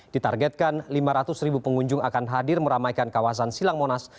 ditargetkan lima ratus ribu pengunjung akan hadir meramaikan kawasan silang monas